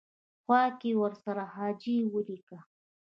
خوا کې ورسره حاجي ولیکه.